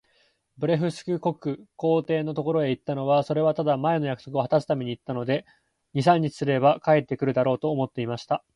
ブレフスキュ国皇帝のところへ行ったのは、それはただ、前の約束をはたすために行ったので、二三日すれば帰って来るだろう、と思っていました。